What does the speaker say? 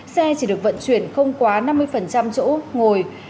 xe chỉ được vận chuyển không quá năm mươi chỗ ngồi